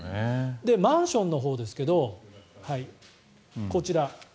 マンションのほうですけどこちら。